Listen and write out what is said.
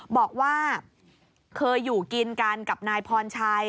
บอกว่าเคยอยู่กินกันกับนายพรชัย